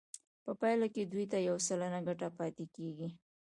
په پایله کې دوی ته یو سلنه ګټه پاتې کېږي